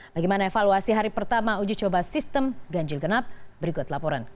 bagaimana evaluasi hari pertama uji coba sistem ganjil genap berikut laporan